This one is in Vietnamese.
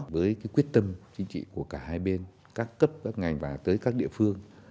với quyết tâm chính trị của cả hai bên các cấp các ngành và tới các địa phương